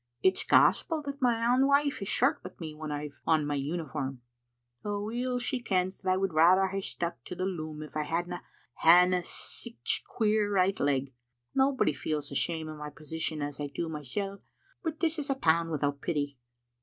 It's Gospel that my ain wife is short wi* me when I've on my uniform, though weel she kens that I would rather hae stuck to the loom if I hadna ha'en sic a queer richt leg. Nobody feels the shame o* my position as I do mysel', but this is a town without pity."